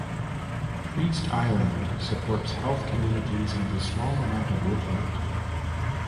Priest Island supports heath communities and a small amount of woodland.